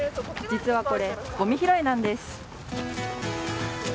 実はこれ、ごみ拾いなんです。